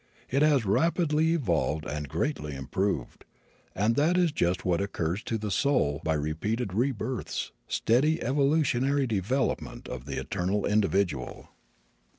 It has rapidly evolved and greatly improved, and that is just what occurs to the soul by repeated rebirths steady evolutionary development of the eternal individual.